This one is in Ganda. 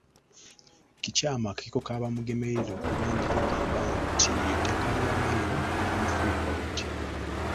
Kikyamu akakiiko ka Bamugemereire okuba ng'akagamba nti ettaka lya Mmayiro ligwa mu Freehold.